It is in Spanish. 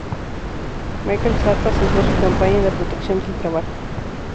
Michael Sata centró su campaña en la protección del trabajo.